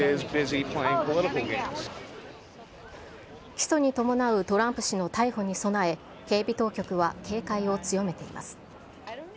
起訴に伴うトランプ氏の逮捕に備え、警備当局は警戒を強めています。